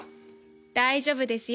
大丈夫ですよ。